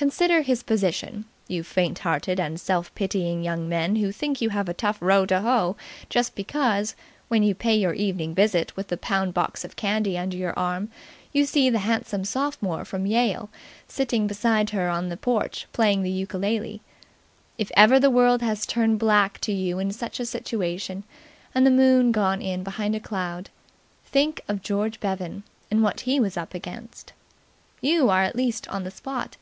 Consider his position, you faint hearted and self pitying young men who think you have a tough row to hoe just because, when you pay your evening visit with the pound box of candy under your arm, you see the handsome sophomore from Yale sitting beside her on the porch, playing the ukulele. If ever the world has turned black to you in such a situation and the moon gone in behind a cloud, think of George Bevan and what he was up against. You are at least on the spot.